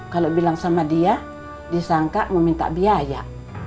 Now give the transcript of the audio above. kalau bilang sama dia disangka mau minta biaya